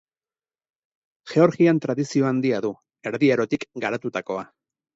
Georgian tradizio handia du, Erdi Arotik garatutakoa.